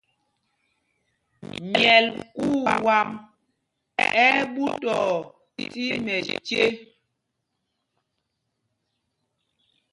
Myɛl kuu wam ɛ́ ɛ́ ɓutɔɔ tí mɛce.